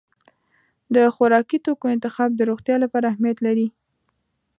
د خوراکي توکو انتخاب د روغتیا لپاره اهمیت لري.